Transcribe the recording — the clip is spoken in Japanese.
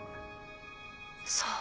そう。